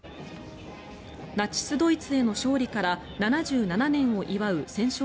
ナチス・ドイツへの勝利から７７年を祝う戦勝